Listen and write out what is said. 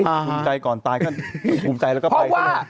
ภูมิใจก่อนตายก็ภูมิใจแล้วก็ไป